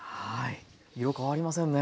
色変わりませんね。